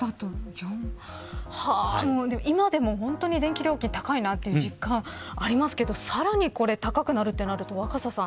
今でも本当に電気料金、高いなと実感はありますけどさらに高くなるとなると若狭さん